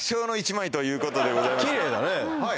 きれいだねはい